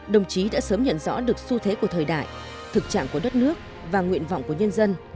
đồng chí đã sớm nhận rõ được xu thế của thời đại thực trạng của đất nước và nguyện vọng của nhân dân